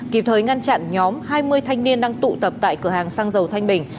kịp thời ngăn chặn nhóm hai mươi thanh niên đang tụ tập tại cửa hàng xăng dầu thanh bình